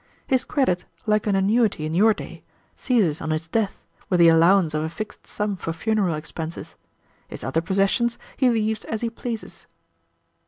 His credit, like an annuity in your day, ceases on his death, with the allowance of a fixed sum for funeral expenses. His other possessions he leaves as he pleases."